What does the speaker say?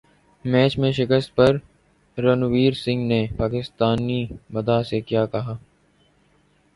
match میں شکست پر رنویر سنگھ نے پاکستانی مداح سے کیا کہا